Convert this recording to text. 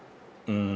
うん。